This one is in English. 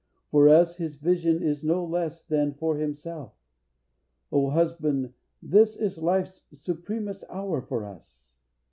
For us his vision is no less Than for himself. O husband, this is life's Supremest hour for us!